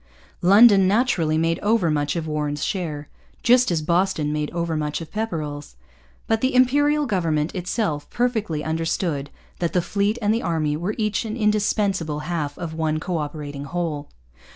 London naturally made overmuch of Warren's share, just as Boston made overmuch of Pepperrell's. But the Imperial government itself perfectly understood that the fleet and the army were each an indispensable half of one co operating whole.